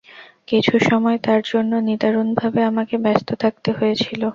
কিছু সময় তার জন্য নিদারুণভাবে আমাকে ব্যস্ত থাকতে হয়েছিল।